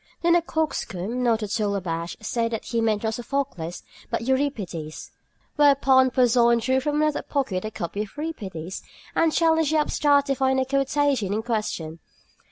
Then the coxcomb, not at all abashed, said that he meant not Sophocles, but Euripides. Whereupon Porson drew from another pocket a copy of Euripides and challenged the upstart to find the quotation in question.